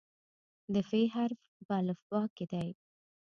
د "ف" حرف په الفبا کې دی.